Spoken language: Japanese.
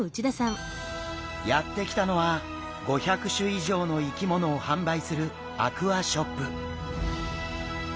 やって来たのは５００種以上の生き物を販売するアクアショップ。